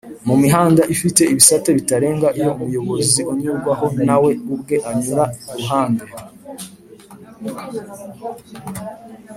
mu mihanda ifite ibisate bitarenga iyo umuyobozi unyurwaho nawe ubwe anyura kuruhande